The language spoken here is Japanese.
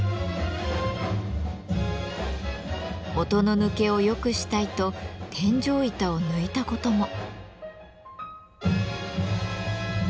音の抜けを良くしたいと天井板を抜いたことも。